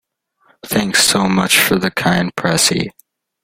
Thanks so much for the kind pressie.